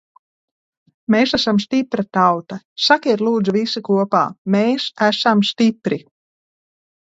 Mēs esam stipra tauta! Sakiet, lūdzu, visi kopā – mēs esam stipri!